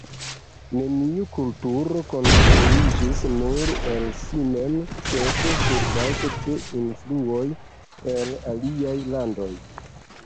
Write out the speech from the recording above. Neniu kulturo konstruiĝis nur el si mem, sed surbaze de influoj el aliaj landoj.